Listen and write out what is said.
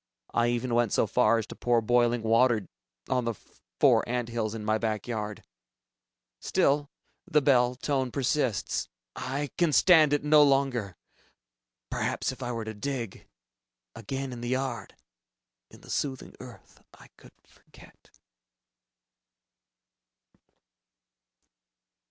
I even went so far as to pour boiling water on the four ant hills in my yard. Still ... the bell tone persists. I can stand it no longer! Perhaps if I were to dig ... again in the yard ... in the soothing earth, I could forget....